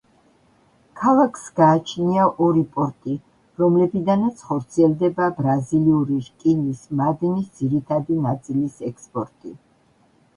ქალაქს გააჩნია ორი პორტი, რომლებიდანაც ხორციელდება ბრაზილიური რკინის მადნის ძირითადი ნაწილის ექსპორტი.